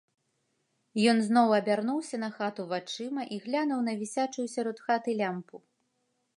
Ён зноў абярнуўся на хату вачыма і глянуў на вісячую сярод хаты лямпу.